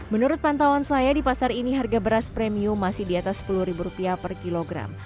menurut pantauan saya di pasar ini harga beras premium masih di atas rp sepuluh per kilogram